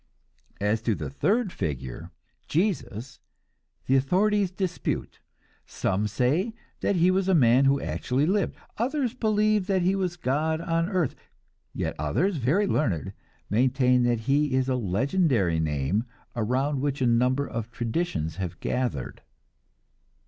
As to the third figure, Jesus, the authorities dispute. Some say that he was a man who actually lived; others believe that he was God on earth; yet others, very learned, maintain that he is a legendary name around which a number of traditions have gathered.